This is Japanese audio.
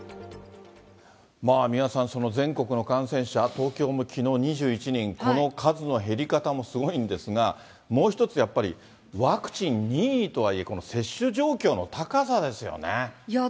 三輪さん、全国の感染者、東京もきのう２１人、この数の減り方もすごいんですが、もう一つやっぱり、ワクチン任意とはいえ、この接種状況の高さですよね。